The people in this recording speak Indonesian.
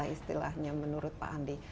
istilahnya menurut pak andi